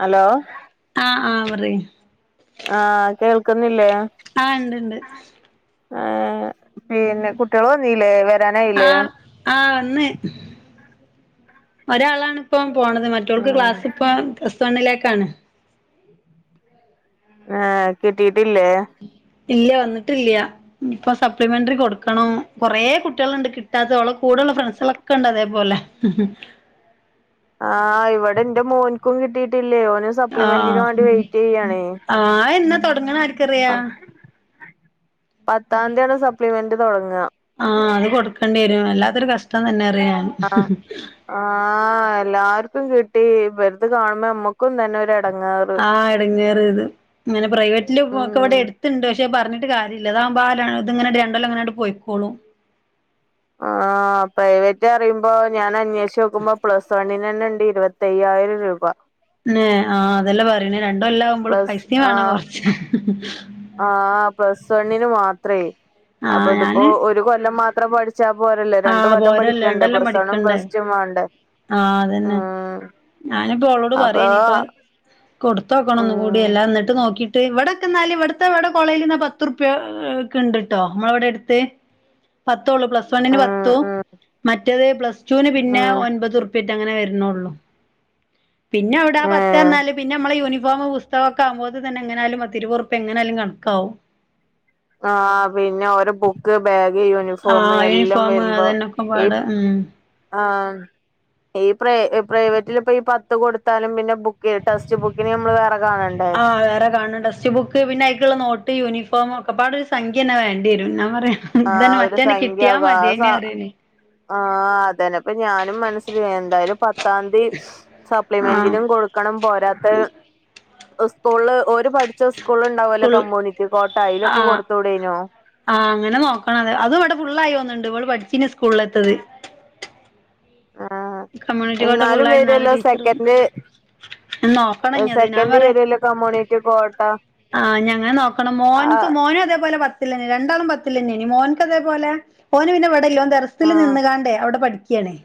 Hello? ആഹ് ആഹ് പറി ആഹ് കേൾക്കുന്നില്ലേ? ആഹ് ണ്ട് ണ്ട് ആഹ് പിന്നെ കുട്ട്യൾ വന്നീല്ലേ വരാനായില്ലേ. ആഹ് ആഹ് വന്ന് ഒരാളാണ് ഇപ്പം പോണത് മറ്റോൾക്ക് ഉം ക്ലാസ് ഇപ്പ പ്ലസ് വണ്ണിലേക്കാണ്. ആഹ് കിട്ടിയിട്ടില്ലേ? ഇല്ല വന്നിട്ടില്ല ഇപ്പൊ സപ്ലിമെന്ററി കൊടുക്കണം കൊറേ കുട്ടികളുണ്ട് കിട്ടാത്തോള കൂടെള്ള ഫ്രണ്ട്സകളൊക്കെ ണ്ട് അതേപോലെ ആഹ് ഇവടെ ഇന്റെ മോൻക്കും കിട്ടിയിട്ടില്ലേ ഓന് സപ്ലിമെന്റിന് വേണ്ടി ആഹ് വെയിറ്റ് ചെയ്യാണേ ആഹ് എന്നാ തൊടങ്ങ്ണേ ആര്ക്കറിയാ. പത്താന്തിയാണ് സപ്ലിമെന്റ് തൊടങ്ങ. ആഹ അത് കൊടുക്കേണ്ടി വരും അല്ലാത്തൊരു കഷ്ടം തന്നെ അറിയാഞൻ. ആ എല്ലാർക്കും കിട്ടി ഇരുത് കാണുമ്പോ ഞമ്മക്കും തന്നെ ഒ അടങ്ങാറ്. ആഹ് ഇടങ്ങേറ ഇത് അങ്ങനെ പ്രൈവറ്റില് ഉം ഒക്കെ ഇവിടെ എടുത്തുണ്ട് പക്ഷെ പറഞ്ഞിട്ട് കാര്യല്ലതാവുമ്പോ ഇങ്ങനട്ട് രണ്ട്ല്ലാംങ്ങനട്ട് പോയിക്കോളും ആഹ് ആ പ്രൈവറ്റ് അിയുമ്പോ ഞാൻ അന്വേഷ നോക്കുമ്പോ പ്ലസ് വണ്ണി തന്നെ ഉണ്ട് ഇരുപത്തയ്യായിരം രൂപ. നൊ ആ അതെല്ലാം പറയണേ രണ്ടും കൊല്ലാം ആകുമ്പോൾ പ്ലസ് പൈസയും വേണം കൊറച്ച്. ആ പ്ലസ് വണ്ണിന് മാത്രേ അപ്പൊ ആഹ് ഇതിപ്പോ ഞാന് ഒരു കൊല്ലം മാത്രം പഠിച്ച പച്ചാ പോരല്ലേ രണ്ട് ആഹ് കൊല്ലം പോരല്ലേ പഠിക്കണ്ടൊ രണ്ടൊല്ലം പ്ലസ് വൺ പഠിക്കണ്ടേ പ്ലസ് ടു വണ്ടോ. ആഹ് അതന്നെ ഞാനിപ്പോ അവഓളോട് അപ്പൊ പറയനി ഇപ്പൊ കൊടുതോക്കണം ഒന്ന് കൂടി ഉം എല്ലാം എന്നിട്ട് നോക്കിട്ട് ഇവിടെക്ക എന്നാലും ഇവിടുത്തെ ഇവിടെ കോളേജ് പത്ത്റുപ ഒക്കെ ഉണ്ട് കേട്ടോ നമ്മളൊ വിടെ എടുത്ത്. പത്തള്ളൂ പ്ലസ് വൺന് ഉം പത്തു ഉം മറ്റേത് പ്ലസ് ടുന് പിന്നെ ഉം ഒൻപത്. അങ്ങനെ വരുന്നള്ളൂ പിന്നെ ഇവിടെ ഏഹ് പത്ത്ഞ്ഞാല് പിന്നെ നമ്മ യൂണഫോ പുതക ഒക്കെകുമ്പോത് തന്നെ എങ്ങനാലും പത്തിരൂ പത്റുപ്പിയ എങ്ങനാലും കണക്കാവും. ആ പിന്നെ ഓരോ ക്ക് ബാഗ് യൂണിഫോം ആഹ് എല്ലാം യൂണിഫോം വരുമ്പോ അതന്നൊക്കെ ഈ പാട് ഉം ആഹ് ഈ പ്ര പ്രൈവറ്റിൽ ഇപ്പൊ ഈ പത്ത് കൊടുത്താലും പിന്നെ ബുക്ക് ടെസ്റ്റ് ബുക്ക് നമ്മള് വേറെ കാണണം ആഹ് വേറെ കാണും ടെക്സ്റ്റ് ബുക്ക് പിന്നെ ആയിക്കുള്ള നോട്ട് യൂണിഫോം ഒക്കെ പാട് ഒരു സംഖൃന്നൊ വേണ്ടി വരും ഞാൻ പറയാം. ആഹ് ഒരു സംഖ്യക ആ അതന്നെ അപ്പ ഞാനും മനസ്സില എന്തായാലും പത്താംന്തി ആഹ് സപ്ലിമെന്റിനും കൊടുക്ക ണം പോരാത്ത സ്കൂള് ഒരു പഠ സ്കൂള് ഉണ്ടാവുമല്ലോ സ്കൂൾ കമ്മ്യണിറ്റി കോട്ടായലൊക്കെ ആഹ് കൊടുത്തുകൂടേനോ? ആഹ് അങ്ങനെ നോക്കണം അത് അതും ഇവിടെ ഫുുള്ളായിോന്നുന്നുണ്ട് ഇള് പഠിച്ചി സ്കൂളിൽ എത്തത്. ആഹ് കമ്മ്യൂണിറ്റി കോട്ട എന്നാലും ഫുള്ളായി ഇന്നാള് വേരുല്ലോ ടീച്ചറ് സെക്കൻഡ്. നോക്കണം ഇഞ്ഞത് സെക്കൻഡ് വരൊല്ല കമ്മ്യൂണിറ്റി കോട്ട ആ ഞങ്ങെനൊ നോക്കണം മോൻ ആഹ് മോനും അതേപോലെ. പ രണ്ടളും പത്തില്ലന്നേ മോൻക് ഇതൊപോലെ മോന് പിന്നെടല്ല ടെറസ് ധറസിൽ ആഹ് നിന്നുകാണ്ടേ അവിടെ പഠിക്കുകയണേ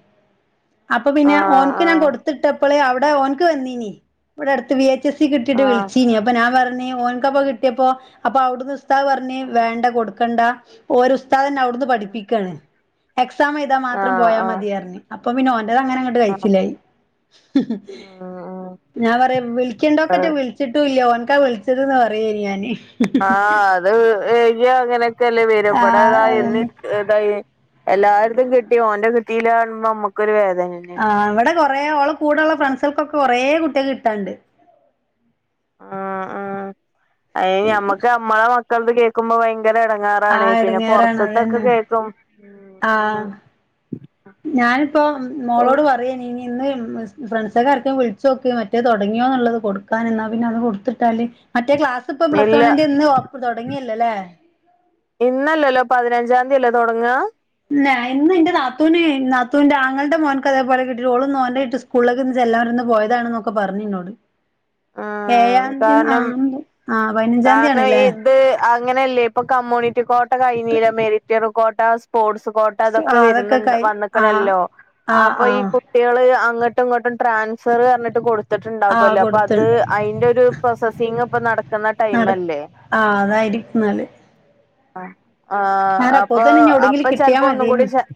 അപ്പൊ പിന്നെ ഓനക്ക് ഞാൻ ആഹ് കൊടുട്ടപ്പോള അവിടെ ഓനക്ക് വന്നീനി ഇവിടെ അടുത്ത് വി എ സി കിട്ടിട്ട് ആഹ് വിളിച്ചീനി അപ്പൊ ഞാൻ പറഞ്ഞേ ഓൻകപ്പ കിട്ടിയപ്പോ അപ്പൊ അവിടുന്ന് ഉസ്താദ് പറഞ്ഞ് ആഹ് വേണ്ട കൊടുക്കണ്ട ഓര് ഉസ്താദ് തന്നെ അവിടുന്ന് പഠിപ്പിക്കയാണ്. എക്സാം എഴുതാൻ മാത്രം ആഹ് ആഹ് പോയാൽ ആഹ് മതി പറഞ്ഞു അപ്പൊ പിന്നെ ഓ ങ്ങനെങ്ങോട്ട് ആഹ് കഴിച്ചിലായി ഉം ഞാൻ പറ വിളിക്കണ്ടോക്ക് ഉം വിളി ചിട്ടും ഇല്ല ഓനക്കാ വിളിച്ചത് പറയ ഞാന് ആ അത് എഴുതിയ അങ്ങനെയൊക്കെല്ലേ വരു ഇവിടെ ഇതാ ഇന്ന് ആഹ് ത എല്ലായിടത്തും കിട്ടി ഓന്റെ കിട്ടിയില്ലന്ന് പറയുമ്പം നമ്മുക്കൊരു വേദന തന്നെ ആ ഇവിടെ കുറേ ഓളെ കൂടെള്ള ഫ്രണ്ട്സുകൾക്കൊക്കെ കുറേ കുട്ടികൾക്ക് കിട്ടാനുണ്ട്. ആ ആ അതിന് ഞമ്മക്ക് ഞമ്മളെ മക്കള കേൾക്കുമ്പോ ഭയ- യങ്കര എടങ്ങാറാണെ ആഹ് പിന്നെ പുറത്തത്തൊക്കെ കേൾക്കും ആ ഞാനിപ്പം ഓഹ് മോളോട് പറ അത് ഇനി ഇന്ന് ഫ്രണ്ട്സൊക്കെ ആർക്കെക്കും വിളിച്ച് നോക്ക് മറ്റേ തുടങ്ങിയോ എന്നുള്ളത് കൊടുക്കാന് എന്നാൽ പിന്നെ അത് കൊടുത്തിട്ടാൽ മറ്റേ ക്ലാസ് ഇപ്പൊ പ്ലസ് ഇല്ല വണ്ണിന്റെ ഇന്ന്ഒപ്പ് തുടങ്ങിയല്ലല്ലേ? ഇന്നല്ലല്ലോ പതിനഞ്ചാം തീയതിയല്ലോ തുടങ്ങ ല്ല ഇന്ന് എന്റെ നാത്തൂനെ നാത്തുന്റെ ആങ്ങളന്റെ മോനക്ക്തേപോലെ കിട്ടിട്ട് ഓള് ഇന്ന് ഓനൊയിട്ട് ഇകു സ്കൂളിലൊക്ക നിന്ന് ചൊല്ലാ പറഞ് ഇന്ന് പോയതാണൊക്കെ പറഞ്ഞുന്നോട് [inaudible] ഏഴാംതിയതി ആ കാരണം ആ പതിനഞ്ചാംതിയ്യതി ആണ്ല്ലേ ത് അങ്ങനെയല്ലേ ഇപ്പൊ കമ്മ്യൂണിറ്റി കോട്ട കഴിഞ്ഞീല്ലേ മെരിറ്റിയർ കോട്ട സ്പോർട്സ് കോട്ട ആ ഇതൊക്ക അതൊക്കെ വരുന്നുണ്ട് കൈ ആ വന്നക്കണല്ലോ ആ അപ്പൊ ആ ഈ- കുട്ടികള് അങ്ങോട്ടും ഇങ്ങോട്ടും ട്രാൻസ്ഫറ് പറഞ്ഞിട്ട് ആ കൊടുത്തിട്ടുണ്ടാകുമല്ലോ അ- കൊടുത്ത് അത് അയിന്റൊരു പ്രോസസ്സിംഗ് ഇപ്പ നടക്കുന്ന നട ടൈംല്ലേ ആ അതായിരിക്കും നല്ലത് ആഹ് ഞാൻ അപ്പൊ അപ്പോത്തിന് ഇനി അപ്പൊ എവിടെങ്കിലും കിട്ടിയാ ചെലപ്പോ ഒന്നും കൂടി മതിയേനി ചാൻ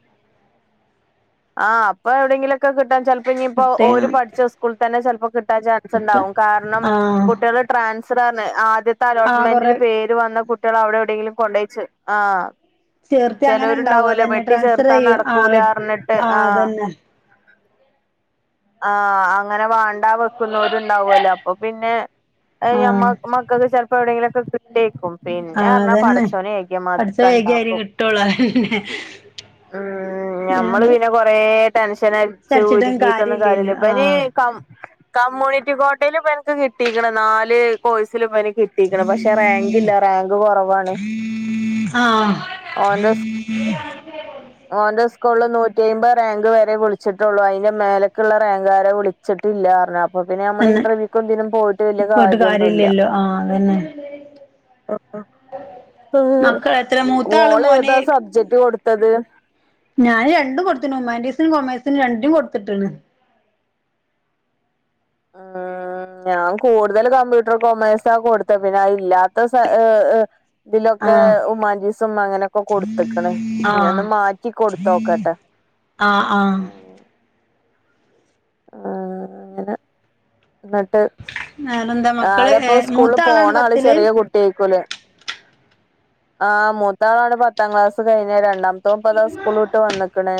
ആഹ് അപ്പ എവിടെങ്കിലുക്കെ കിട്ടാൻ ചെലപ്പോ ഇനിയിപ്പോ കിട്ടിയ ഓര് പഠിച്ച സ്കൂളിൽ തന്നെ ചെലപ്പോ കിട്ടാൻ ചാൻസ് സ് കിട്ട ഉണ്ടാവും കാരണം ആ കുട്ടികള് ട്രാൻസ്ഫറാന്ന് ആദ്യത്തെ ആ അലോട്ട്മെന്റിൽ കൊറെ പേര് വന്ന കുട്ടികൾ അവിടെ എവിടെയെങ്കിലും കൊണ്ടയച്ചു ആഹ് ചേർത്തി അങ്ങനെ ഉണ്ടാവും ചെലവരുണ്ടാവൂലോ അതന്നെ വെട്ടി ട്രാൻസ്ഫർ ചേർത്താ ചെയ്യും ആ നടക്കൂല വെ അറിഞ്ഞിട്ട് ആ ആഹ് അതന്നെ ആഹ് അങ്ങന വാണ്ട വെക്കുന്നവരുണ്ടാവല്ലോ അപ്പൊ പിന്നെ ആ ഞമ്മ മക്കൾക്ക് ചെലപ്പോ എവിടെയെങ്കിലുക്കെ കിട്ടിയേക്കും ആ പിന്നെ പറഞ്ഞാൽ പടച്ചവന ഏകിയ മാതിരി ഒക്കെ ഉണ്ടാകും ട്ടോളന്നെ ആഹ് ഉം ഞമ്മള് പിന്നെ കൊറേ ടെൻഷനടിച്ച് വിചാരിച്ചിട്ടും ഉരുകിയിട്ടൊന്നും കാര്യല്ലല്ലോ കാര്യല്ല ആ ഇവന് കം കമ്മ്യൂണിറ്റി കോട്ടയില് ഇവനിക്ക് കിട്ടീയിക്കണ് നാല് കോഴ്സിലും ഇവ നിക്ക് കിട്ടീക്കണ് പക്ഷെ റാങ്ക് ഇല്ല റാങ്ക് കൊറവാണ് ആഹ് ഓന്റെ സ് ഓന്റെ സ്കൂളിൽ നൂറ്റിയമ്പത് റാങ്ക് വരെ വിളിച്ചിട്ടുള്ളൂ അതിന്റെ മേലക്കുള്ള റാങ്ക്കാരെ വിളി ച്ചട്ടില്ല പറഞ്ഞ അ പ്പൊ പിന്നെ നമ്മൾ തന്നെ ഇന്റർവ്യൂക്കും ഇതിനും പോയിട്ട് വലിയ പോയിട്ട് കാര്യൊന്നുല്ല കാര്യല്ലല്ലോ ആ അതന്നെ മക്കൾ എത്ര മൂത്ത ആള് മോള് മോന് ഏതാ സബ്ജക്ട് കൊടുത്തത് ഞാന് രണ്ടും കൊടുത്തിനു ഹു മാനിറ്റീസിനും കൊമേഴ്സിനും രണ്ടിനും കൊടുത്തിട്ട്ണ് ആഹ് ഉം ഞാൻ കൂടുതലും കമ്പ്യൂട്ടർ കൊമേഴ്സാ കൊടുത്തെ പിന്നെ അത് ഇല്ലാത്ത സ ഇതിലൊക്കെ ആഹ് ഹുമാനിറ്റീസും അങ്ങനെയൊക്ക കൊടുത്തിക്ക്ണ് ഇനി ഒന്ന് ആഹ് മാറ്റി കൊടുത്തോക്കട്ടെ ആഹ് ആഹ് ആഹ് അങ്ങന [unintelligible] വേറെന്താ മക്കള് ആരപ്പോ മൂത്ത സ്കൂളിൽ ആളാണ് പോണ ആള് പത്തില് ചെറിയ കുട്ടി ആയിക്കൂലെ ആഹ് മൂത്താളാണ് പത്താം ക്ലാസ് കഴിഞ്ഞ രണ്ടാം ത്തോപ്പതാ സ്കൂള് വിട്ട് വന്നക്കണ്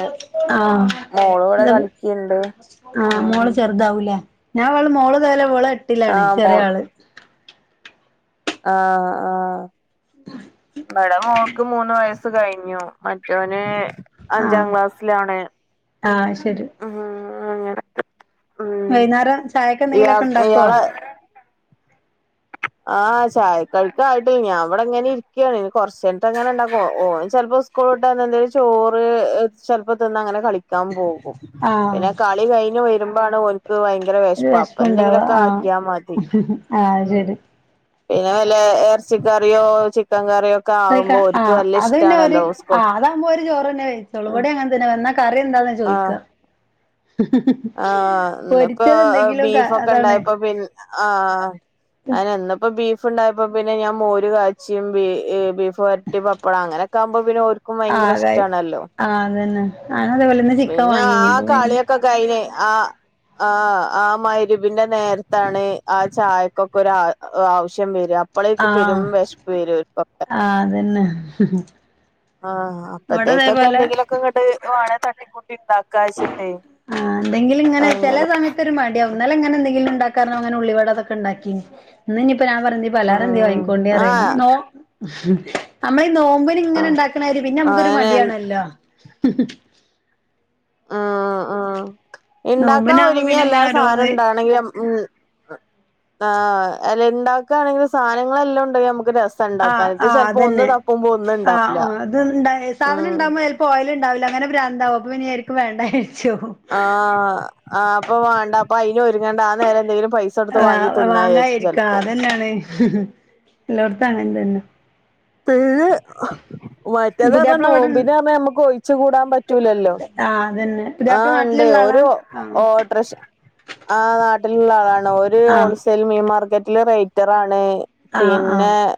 മോള് ഇവിടെ ആഹ് കളിക്കിണ്ട് ഉം ചെറുതാവൂ ലേ ഞാൻ വള് മോള് ദേ ലവള് എട്ടിലാണ് ആഹ് ചെറിയ മോൾ ആള് ആഹ് ആഹ് ഇവടെ മോൾ ക്ക് മൂന്ന് വയസ്സ് കഴിഞ്ഞു മറ്റവന് അഞ്ചാം ആഹ് ക്ലാസ്സിലാണ് ആഹ് ശരി ഉം അങ്ങനെ ഉം വൈകുന്നേരം ചായക്ക് ഇയാ എന്തെങ്കിലുമൊക്കെ ഉണ്ടാക്കുവോ ഇയാള് ആഹ് ചായ കടിക്കായിട്ടില്ല ഞാൻ ഇവിടെ ങ്ങനെ ഇരിക്കാണ് കൊറച്ചഴിഞ്ഞിട്ട് അങ്ങനെ ഇണ്ടാക്കും ഓന് ചെലപ്പോ സ് കൂളുട്ടെന്ന് എന്തേലും ചോറ് ചെലപ്പോ തിന്ന് അങ്ങനെ കളി ക്കാൻ പോകും ആഹ് പിന്നെ കളി കഴിഞ്ഞ് വരുമ്പോ ആണ് ഓൻ ൻക്ക് ഭയങ്കര ഒരു വെശപ്പ് അപ്പൊ വിശപ്പുണ്ടാവ എന്തെങ്കിലൊക്കെ ആഹ് ആക്കിയാ മതി ആഹ് ഉം ശരി പിന്നെ വല്ല എറച്ചിക്കറിയോ ചിക്കൻ കറിയൊ കയ്ക്ക ആഹ് അത് പിന്നെ അവര് ആ സ്കൂൾ അതാവുമ്പോ ഓര് ചോറ് തന്നെ കയിച്ചോളും ഉം ഇവിടേം അങ്ങനെ പിന്നെ വന്നാ കറി എന്താന്ന ചോയിക്ക ആഹ് ആഹ് ഇന്നിപ്പോ ബീഫൊക്കെ അതാണ് ണ്ടായപ്പോ പിൻ ആഹ് അയനന്നെ ഇന്നിപ്പോ ബീഫിണ്ടായപ്പോ പിന്നെ ഞാൻ മോര് കാച്ചിയും ബീ ബീഫ് വര ന്നി പപ്പട അങ്ങനേക്കാകുമ്പോ പിന്നെ ഓര് ക്കും ഭയങ്കര ആഹ് കായി ഇഷ്ടണെല്ലോ ആഹ് അതന്നെ ഞാന് അതേപോലെ ഇന്ന് ചിക്കൻ പിന്നെ ആ വാങ്ങീനി അപ്പൊ പിന്നെ കളിയൊക്കെ കയിന് ആഹ് ആഹ് ആ മയിരിബിന്റെ നേരത്താണ് ആ ചായക്കൊക്കെ ഒരു ആവശ്യം വരാ അപ്പളേക്കും പെരും ആഹ് വെശപ്പ് വരും അവർക്കൊക്കെ ആഹ് അതന്നെ ആഹ് ഇവിടെ അപ്പത്തേക്കൊക്കെ അതേപോലെ എന്തെങ്കിലൊക്കെ ഇങ്ങട്ട് വാണേ തട്ടി കൂട്ടി ഇണ്ടാക്ക ആഹ് എന്തെങ്കിലു ഇങ്ങനെ ചെല അങ്ങനെ സമയത്ത ത്തൊരു മടിയാവും ഇന്നലെ ഇങ്ങനെ എന്തെങ്കിലും ഇണ്ടാക്കാ പറഞ് ഇങ്ങനെ ഉള്ളിവട ഒക്കെ ഇണ്ടാക്കിനി ഇന്നിഞ്ഞ്പ്പോ ഞാൻപറയാ എന്തേ പലഹാരം ഉം എന്തേ ആഹ് നോ നമ്മളീ നോമ്പി നിങ്ങനെ ആഹ് ഇണ്ടാക്ക്ണാരി പിന്നെ നമ്മക്കൊരു അങ്ങനെ മടിയാണല്ലോ ആഹ് ആഹ് ഇണ്ടാക്കാ നോമ്പിനാവുമ്പോ ഒരുങ്ങിയ പിന്നെ എല്ലാ ഇങ്ങനെ സാനം ഓരോന്ന് ഇണ്ടാണെങ്കിൽ ഉം ആഹ് അല്ല ഇണ്ടാക്കാണെങ്കി സാനങ്ങളെല്ലോം ഉണ്ടെങ്കി നമുക്ക് ര ആഹ് ആഹ് അതന്നെ ആഹ് ഉണ്ടാവില്ല ആഹ് അത് ണ്ട സാധനം ഉം ഇണ്ടാവുമ്പോ പോയല് ഇണ്ടാവില്ല അങ്ങനെ ഭ്രാന്താവും അപ്പൊ പിന്നെ ഒരിക്കു വേണ്ട വെച്ചു ആഹ് ആഹ് അപ്പൊ വാണ്ട അപ്പൊ അയിന് ഒരുങ്ങണ്ട. ആ നേരം എന്തെങ്കിലും പൈസ് ആഹ് വാങ്ങാ ഇരിക്കാ അതന്നേണ്. എല്ലോട്ത്തും അങ്ങനെ തന്നെ [unintelligible] മറ്റെത് പറ്ഞ്ഞാ പുതിയാപ്പള ഇവിടെ നോമ്പ്ന് പറ്ഞ്ഞാ നമ്മക്ക് ഒഴിച്ചു കൂടാൻ പ റ്റൂലല്ലോ ആഹ് അതന്നെ പുതിയാപ്പള ആഹ് ഇണ്ടേ നാട്ടിലുള്ള ആളാ ഒരു ആഹ് ഓ പ്രേഷൻ ആഹ് നാട്ടില്ള്ള ആളാണ് ഓരു ആഹ് ഹോൾസെയിൽ മീൻ മാർകെറ്റില് റൈറ്റർ ആണ് ആഹ് പിന്നെ ആഹ്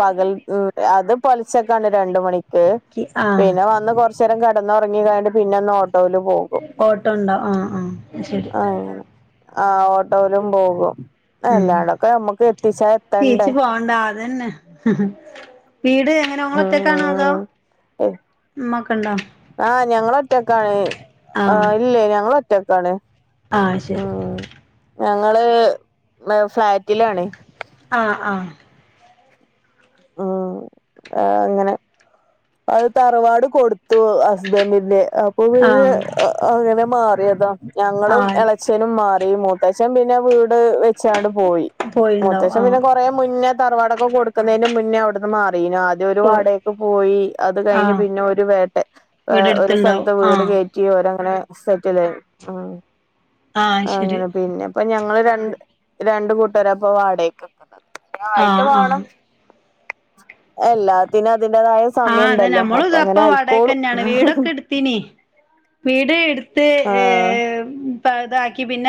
പകൽ അത് പൊലച്ചക്കാണ് രണ്ട് മണിക്ക്. ആഹ് പിന്നെ വന്ന് കൊറ്ച്ചേരം കടന്നൊറങ്ങി കഴിഞ്ഞ്ട്ട് പിന്നെ ഒന്ന് ഓട്ടോല് പോകും ഓട്ടോ ഉണ്ടോ ആഹ് ആഹ് ശരി ആഹ് ആഹ് ഓട്ടോയിലും പോകും. ഉം അല്ലാണ്ടൊക്കെ നമ്മക്ക് എത്തിച്ചാ എത്തെണ്ടേ ണ്ടാ അതെന്നെ. വീട് എങ്ങനെ ഇങ്ങളൊറ്റക്കാണോ അതോ ഉമ്മ ഒക്കെ ഉണ്ടോ എഹ് ഞങ്ങളൊറ്റക്കാണ് ആഹ് ഇല്ലേ ഞങ്ങളൊ റ്റക്കാണ് ആഹ് ശരി ഞങ്ങള് ഉം ഫ്ളാറ്റിലാണ് ആഹ് ആഹ് ഉം ആഹ് അങ്ങനെ അത് തറവാട് കൊടുത്തു ഹസ്ബന്റിന്റെ. അപ്പൊ പിന്നെ ആഹ് അങ്ങനെ മാറിയതാ ഞങ്ങളും ആഹ് എളച്ഛനും മാറി മൂത്തച്ഛൻ പിന്നെ വീട് വെ ചാണ്ട് പോയി പോയിണ്ടാവും മൂത്തച്ഛൻ പിന്നെ ആഹ് കൊ കൊറേ മുന്നെ തറവാടൊക്കെ കൊടുക്കുന്നേന്റെ മുന്നേ അവിടുന്ന് മാറീനു ആദ്യം ഒരു പോയി വാടകക്ക് പോയി അത് കഴിഞ്ഞ് ആഹ് പിന്നെ ഓര് വേട്ടെ ഒരു വീടെടുത്തുണ്ടാവും സ്ഥലത്ത് വീട് കേ ആഹ് കേറ്റി ഓരങ്ങനെ സെറ്റിൽ [unintelligible] ഉം ആഹ് ശരി അങ്ങനെ പിന്നെ ഇപ്പൊ ഞങ്ങള് രണ്ട് രണ്ടു കൂട്ടരാപ്പൊ വാടകക്ക് നിക്കുന്നത് ആയിട്ട് ആഹ് വാണം. ആഹ് എല്ലാത്തിനും അതിൻ്റേതായ സ ആഹ് അതെ സമയിണ്ടല്ലോ അപ്പൊ അങ്ങനെ ആയിക്കോളും പിന്നെ വീട് ഇട്ത്ത് ആഹ് ഏഹ് പ്പ ഇതാക്കി പിന്ന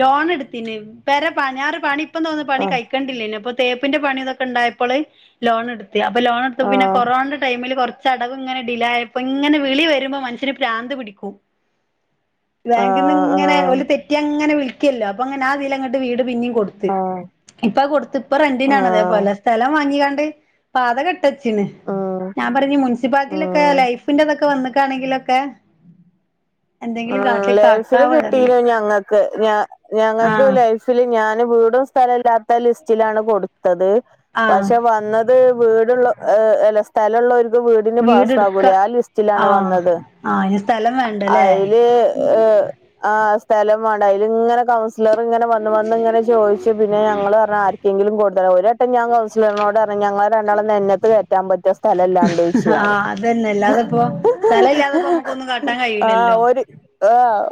ലോൺ ഇട്ത്തീനി. പെര പണി ഞാരു പണി ഇപ്പം തോന്നു പണി ആഹ് കഴ ക്കണ്ടില്ലേനി ഇപ്പോ തേപ്പിന്റെ പണി ഇതൊക്കെ ഇണ്ടായപ്പള് ലോൺ എടുത്ത് അപ്പൊ ലോൺ എട്ത്തപ്പ പിന്നെ ആഹ് കൊറോന്റെ ടൈമില് കൊറ്ച്ചടവ് ഇങ്ങനെ ഡിലെ ആയപ്പോ ഇങ്ങനെ വിളി വരുമ്പോ മനുഷ്യന് പ്രാന്ത് പിടിക്കും ബാങ്കിന്ന് ഇങ്ങനെ ആഹ് ഓല് തെറ്റിയ് ഇങ്ങനെ വിളിക്കല്ലോ അപ്പൊ അങ്ങനെ ആതീലങ്ങട്ട് വീട് പിന്നിം കൊടുത്തു ആഹ് ത്ത്ഇപ്പഹ് കൊട്ത്ത് ഇപ്പൊ റെന്റിനാണോ ആഹ് അതേപോലെ സ്ഥലം വാങ്ങിക്കാണ്ട് പാത കട് തച്ചിന് ഉം ഞാൻ പറഞ്ഞ് മുനിസിപ്പാലിറ്റിയിലൊക്കെ ഉം ലൈഫിന്റെ ഇതൊക്കെ വന്നിക്കാണെങ്കിലൊക്കെ ആഹ് ലൈഫില് കാട്ടാവ കിട്ടീല ഞങ്ങ ഞ ഞങ്ങക്ക് ആഹ് ലൈഫില് ഞാനും വീടും സ്ഥലൊ ഇല്ലാത്ത ലിസ് ചിലാണ് കൊടുത്തത്. ആഹ് പക്ഷെ വന്നത് വീടുള്ള അല്ല സ്ഥലള്ളോൽ വീടിന് വീടെടുക്ക പാസാവൂല്ലേ. ആ ലിസ്റ്റിലാണ് ആഹ് വന്നത് ആഹ് അയ്ന് സ്ഥലം വേണ്ടല്ലേ അയ് യില് ഏഹ് ആഹ് സ്ഥലം വാണ്ട അയിലിങ്ങനെ ക ലർ ഇങ്ങനെ വന്ന് വന്ന് ഇങ്ങനെ ചോ യ്ച്ചും. പിന്നെ ഞങ്ങള് പറഞ്ഞ് ആർക്കെങ്കിലും കൊട് ഓ ഞാൻ കൗൺസലറിനോട് പറഞ്ഞ് ഞങ്ങളുടെ രണ്ടാളും നെഞ്ചത്തോട്ട് കേറ്റാൻ പറ്റുവോ സ്ഥലല്ലാണ്ട് വിഷമായി ആഹ് അതന്നെ അല്ലാതെപ്പോ സ്ഥലം ഇല്ലാതെപ്പോ നമുക്കൊന്നും കാട്ടാൻ ആ കഴിയൂലല്ലോ ഒരു ആഹ്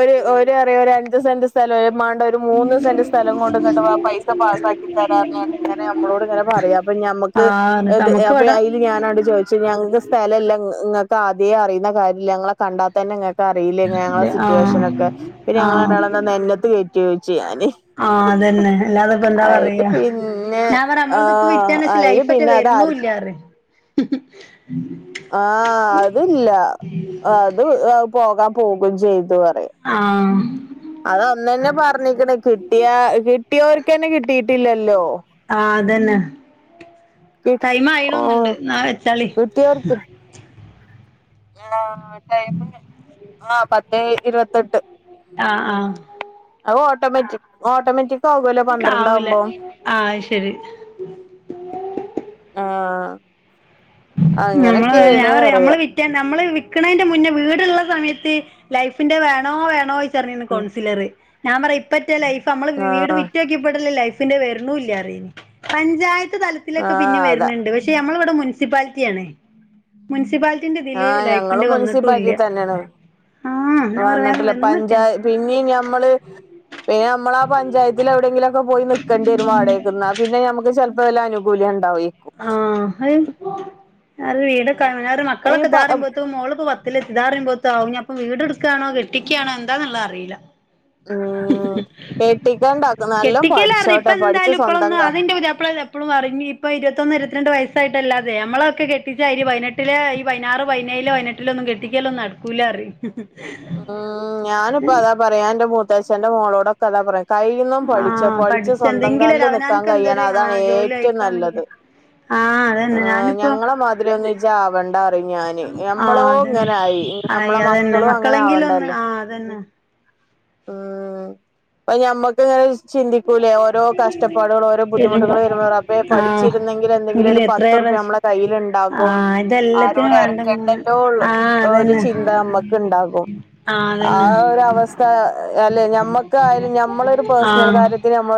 ഒരു ഓര് പറയുവാ ഒരു അഞ്ച് സെന്റ് സ്ഥലം മേണ്ടാ ഒരു മൂന്ന് സെന്റ് സ്ഥലം കൊണ്ട് ഇങ്ങട്ട് ആ പൈസ പാസ്സാക്കി തരാന്ന് ഇങ്ങനെ നമ്മളോട് ഇങ്ങനെ പറയാ അപ്പൊ ഞമ്ക്ക് ആഹ് എന്നിട്ട് നമുക്കിവിട ഞാനങ്ങ്ട് ചോദിച്ച് ഞങ്ങക്ക് സ്ഥലലില്ല നിങ്ങക്ക് ആദ്യേ അറിയുന്ന കാര്യല്ല ഞങ്ങളെ കണ്ടാത്ത തന്നെ നിങ്ങ അറിയില്ല ഞങ്ങ ആഹ് സിറ്റുവേഷനൊക്കെ പിന്നെ ഞങ്ങള ആഹ് രണ്ടാളേംന്താ നെഞ്ചത്ത് കേറ്റോ ചോയിച്ച് ഞാന് ആഹ് അതന്നെ അല്ലാതെ ഇപ്പ എന്താ അയില് പറയാ പിന്നെ ഞാൻ പറ നമ്മളതിപ്പ ആഹ് വിട്ടെന്ന്ച്ച അയില് ലൈഫ് ഒറ്റ പിന്നെ അതാര്ക്കും വരണൂല്ലറയും [inaudible] [inaudible] ആഹ് അതില്ല അത് പോകാൻ പോമ്പ ചെയ്തു പറയും ആഹ് അതൊന്നന്നെ പറഞ്ഞിക്കണ് കിട്ടിയാ കിട്ടിയവർക്ക്ന്നെ കിട്ടിയിട്ടില്ലല്ലോ ആഹ് അതന്നെ ടൈം ആയീന്ന് ഓ തോന്നുന്നുണ്ട് എന്നാ വെച്ചാളി കിട്ടിയോർക്ക് ആഹ് ടൈമ് ആഹ് പത്തേ ഇരുപത്തെട്ട് ആഹ് ഉം ആഹ് അത് ഓട്ടോമാറ്റിക് ഓട്ടോമാറ്റിക് ആകുവല്ലോ പന്ത്രണ്ടാ ആവൂല അമ്പത് ആഹ് ശരി ആഹ് നമ്മള് ഞാൻ പറയാ നമ്മള് വി നമ്മള് വിൽക്കണതിന്റെ മുന്നേ വീടുള്ള സമയത്ത് ലൈഫിന്റെ വേണോ വേണോ ഉം ൺസിലർ ഞാൻ പറയും ഇപ്പറ്റ ലൈഫ് നമ്മള് വീട് ആഹ് വിറ്റ ലൈഫിന്റെ വരുണൂല്ലാറയും പഞ്ചായത്ത് തലത്തിലൊക്കെ പിന്നെ ആഹ് അതാ വര്ണ് ണ്ട് പക്ഷെ നമ്മളിവിടെ മുനിസിപ്പാലിറ്റി ആണേ മുനിസിപ്പാലിറ്റിന്റെ ഇതില് ആഹ് ലൈഫിന്റെ ഞങ്ങളും വന്നിട്ടും ഇല്ല മുനിസിപ്പാലിറ്റി തന്നെയാണ് ആഹ് ഞാ പറയും വേറെ വന്നിട്ട പിന്നേം ഞമ്മള് പിന്നെ നമ്മളാ പഞ്ചായത്തില് എവിടെങ്കിലൊക്കെ പോയി നിക്കേണ്ടി വരും വാടേക്കുന്നാ പിന്നെ നമുക്ക് ച ല് അനൂകൂല്യം ഇണ്ടാവുവേ ആഹ് [unintelligible] അയിന് മക്കളൊക്കെ പ [unintelligible] [unintelligible] വീട് എടുക്കുകണോ കെട്ടിക്കയാണോ എന്താന്നുള്ള അറിയില്ല ഉം കെട്ടിക്കണ്ടാക്ക് നല്ലോം കെട്ടിക്കലായിറിന്നു ഇപ്പ പഠിച്ചോട്ടെ പഠിച്ച് എന്തായാലും സ്വന്തം ഇപ്പളൊന്നും കാ അതിന്റെ [unintelligible] ഇപോളും പറഞ്ഞ ഇപ്പൊ ഇ. ഇരുപത്തിയൊന്നു ഇരുപത്തി രണ്ട് വയസ്സായിട്ടല്ലാതെ നമ്മളെയോക്കെ കെട്ടിചയക്കില്ല. പയിനെട്ടിലെ, ഈ പതിനാറു പതിനേഴു പതിനെട്ടിലൊന്നും ഈ കെട്ടിക്കല്ലോന്നും നടക്കു.... ക്കൂല്ലാ.... ഉം... ഞാനിപ്പ അതാ പറയാ എന്റെ മുത്തച്ഛന്റെ മോളോടൊക്കെ അതാ പറയാ.... കൈയി നിന്നും പഠിച്ച ആഹ് പടിച്ചു പഠിച്ച് സ്വന്തം എന്തെങ്കിലും ഒരു കാലിൽ നിക്കാൻ അവനാൻക്ക് കഴിയണം. എന്തൊരു അതാണ് ആഹ് ജോലി ഏറ്റവും ആയിക്കാണെങ്കി നല്ലത്.. ആഹ് ! ആ അതന്നെ ഞാനിപ്പോ ഞങ്ങളെ മാതിരി ഒന്ന് ഇജ്ജ് ആവണ്ട അറി ഞാന് ആഹ് ഞമ്മളോ അതന്നെ ഇങ്ങനൊയി..... ആയി അത തന്നെ മക്കളെങ്കിലും ഒന്ന് ആഹ് അതന്നെ.... ഉം.... അപ്പ ഞമ്മക്ക് ചിന്തി... ഓർകുലേ ഓരോ കഷ്ടപ്പാടുകൾ ഓരോ ബുദ്ധിമുട്ടുകൾ വരുമ്പോ റബ്ബേ ആഹ് പഠിച്ചിരുന്നെങ്കിൽ എന്തെങ്കിലും ഒരു എങ്കിലും എത്രയോ പത്ത് റുപ്യ പ്രാവശ്യം നമ്മളെ... കയ്യിലിണ്ടാകും... ആഹ് ഇതെല്ലത്തിനും ആരോട് വേണ്ട ഇങ്ങനെ എരക്കണ്ടല്ലോള്ളു ആഹ് ഒരു അതന്നെ ചിന്ത നമ്മുക്ക് ഉണ്ടാകും.... ആഹ് അതന്നെ! അല്ലെ ഞമ്മക്കായാലും ഞമ്മളൊരു പേഴ്സണൽ ആ കാര്യത്തിന് നമ്മ....